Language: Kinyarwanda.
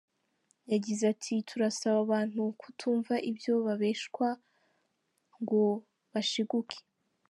Yagize ati”Turasaba abantu kutumva ibyo babeshywa ngo bashiguke.